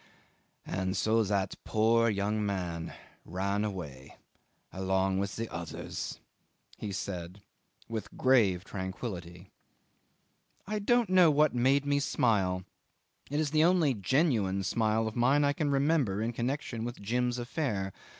"And so that poor young man ran away along with the others," he said, with grave tranquillity. 'I don't know what made me smile: it is the only genuine smile of mine I can remember in connection with Jim's affair.